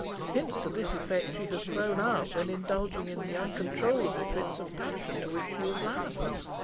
Hints to this effect she has thrown out, when indulging in the uncontrollable fits of passion to which she is liable.